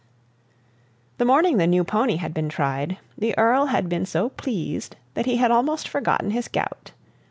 The morning the new pony had been tried, the Earl had been so pleased that he had almost forgotten his gout.